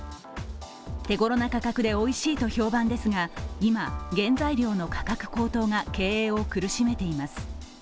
手ごろな価格でおいしいと評判ですが、今、原材料の価格高騰が経営を苦しめています。